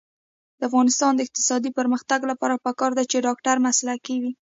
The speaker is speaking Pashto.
د افغانستان د اقتصادي پرمختګ لپاره پکار ده چې ډاکټر مسلکي وي.